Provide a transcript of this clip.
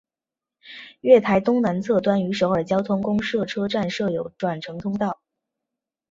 月台东南侧端与首尔交通公社车站设有转乘通道。